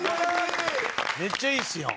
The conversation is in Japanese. めっちゃいいですやん。